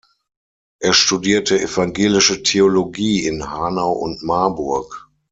Er studierte evangelische Theologie in Hanau und Marburg.